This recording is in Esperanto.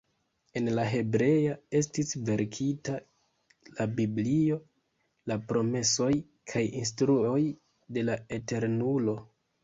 En la hebrea estis verkita la biblio, la promesoj kaj instruoj de la Eternulo.